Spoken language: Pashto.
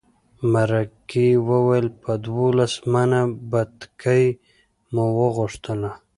مرکې وویل په دولس منه بتکۍ مو وغوښتله.